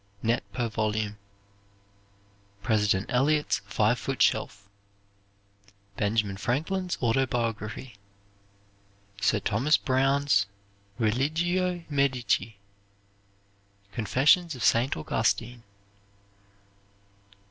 net per volume: President Eliot's Five Foot Shelf Benjamin Franklin's Autobiography. Sir Thomas Browne's "Religio Medici." "Confessions of St. Augustine."